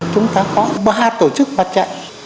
chúng ta có ba tổ chức mặt trận